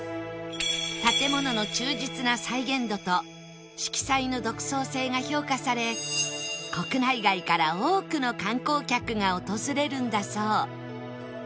建物の忠実な再現度と色彩の独創性が評価され国内外から多くの観光客が訪れるんだそう